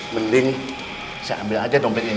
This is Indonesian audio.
mending saya ambil aja dompet ini